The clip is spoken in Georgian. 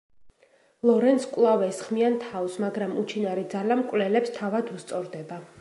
ლორენს კვლავ ესხმიან თავს, მაგრამ უჩინარი ძალა მკვლელებს თავად უსწორდება.